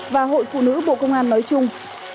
và hội phụ nữ bộ công an nói chung